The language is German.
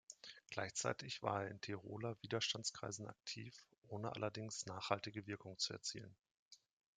Gleichzeitig war er in Tiroler Widerstandskreisen aktiv, ohne allerdings nachhaltige Wirkung zu erzielen.